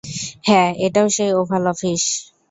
হ্যাঁ, এটাই সেই ওভাল অফিস।